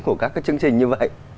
của các cái chương trình như vậy